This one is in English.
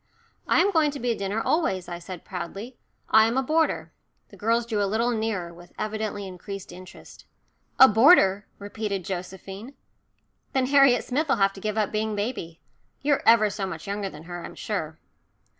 "I am going to be at dinner always," I said proudly. "I am a boarder." The girls drew a little nearer, with evidently increased interest. "A boarder," repeated Josephine. "Then Harriet Smith'll have to give up being baby. You're ever so much younger than her, I'm sure."